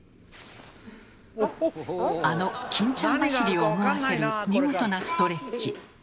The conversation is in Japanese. あの「欽ちゃん走り」を思わせる見事なストレッチ。